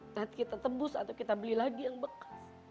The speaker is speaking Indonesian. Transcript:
nanti kita tebus atau kita beli lagi yang bekas